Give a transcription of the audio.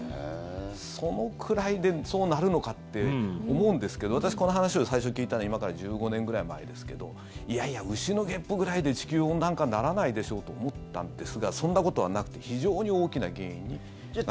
そのくらいでそうなるのかって思うんですけど私、この話を最初に聞いたの今から１５年ぐらい前ですけどいやいや、牛のげっぷぐらいで地球温暖化にならないでしょと思ったんですがそんなことはなくて非常に大きな原因になっていると。